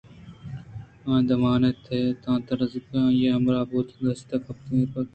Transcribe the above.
آ دمانے ءَ تاں دروازگ ءَ آئی ءِ ہمراہ بوتءُدستے کوپگاں ایرکُتگ اَت